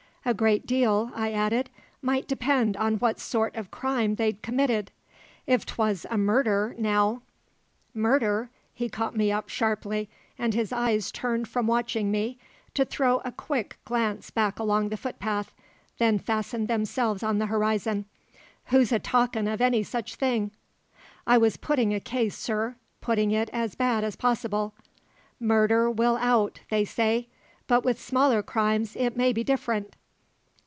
A great deal," I added, "might depend on what sort of crime they'd committed. If 'twas a murder, now " "Murder?" He caught me up sharply, and his eyes turned from watching me, to throw a quick glance back along the footpath, then fastened themselves on the horizon. "Who's a talkin' of any such thing?" "I was putting a case, sir putting it as bad as possible. 'Murder will out,' they say; but with smaller crimes it may be different."